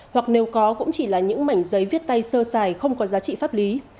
hoặc nếu có cũng chỉ là những mảnh giấy viết tay sơ xài không có giá trị pháp lý